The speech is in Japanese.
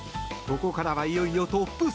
ここからはいよいよトップ３。